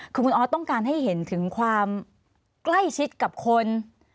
คือคุณออสต้องการให้เห็นถึงความใกล้ชิดกับคน